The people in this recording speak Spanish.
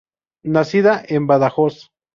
Nacida en Badajoz.